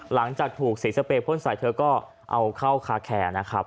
หลังจากถูกสีสเปรยพ่นใส่เธอก็เอาเข้าคาแคร์นะครับ